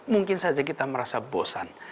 mungkin saja kita merasa bosan